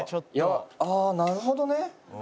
ああなるほどね。